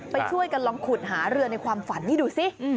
ไปช่วยกันลองขุดหาเรือในความฝันนี่ดูสิ